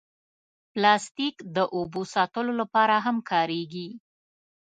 پلاستيک د اوبو ساتلو لپاره هم کارېږي.